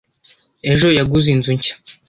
Ejo yaguze inzu nshya.